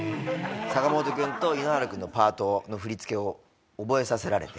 坂本君と井ノ原君のパートの振り付けを覚えさせられて。